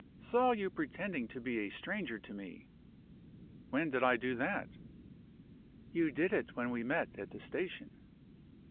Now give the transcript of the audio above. "Saw you pretending to be a stranger to me." "When did I do that?" "You did it when we met at the station."